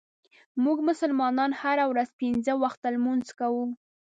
مونږ مسلمانان هره ورځ پنځه وخته لمونځ کوو.